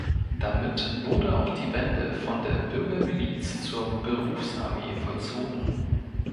Damit wurde auch die Wende von der Bürgermiliz zur Berufsarmee vollzogen.